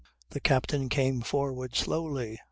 The captain came forward slowly.